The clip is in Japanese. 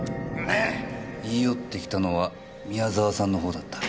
言い寄ってきたのは宮澤さんのほうだった。